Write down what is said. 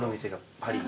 パリー。